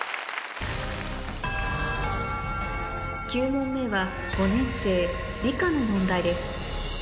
９問目は５年生理科の問題です